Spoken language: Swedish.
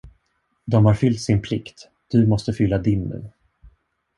De har fyllt sin plikt, du måste fylla din nu.